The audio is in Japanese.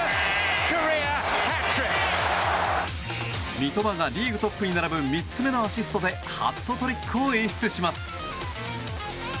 三笘がリーグトップに並ぶ３つ目のアシストでハットトリックを演出します。